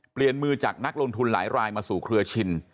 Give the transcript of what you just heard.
เปลี่ยนมือจากนักลงทุนหลายรายมาสู่เครือชิน